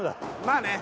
まあね